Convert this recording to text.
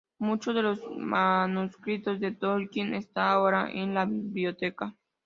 Muchos de los manuscritos de Tolkien están ahora en la Biblioteca.